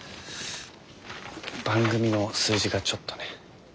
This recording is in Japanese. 番組の数字がちょっとね。